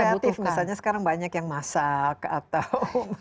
dan yang kreatif misalnya sekarang banyak yang masak atau